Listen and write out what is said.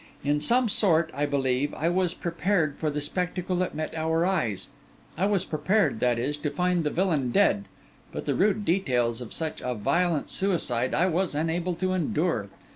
In some sort, I believe, I was prepared for the spectacle that met our eyes; I was prepared, that is, to find the villain dead, but the rude details of such a violent suicide I was unable to endure.